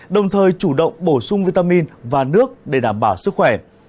đồng thời chủ động bổ sung vitamin và nước để đảm bảo sức khỏe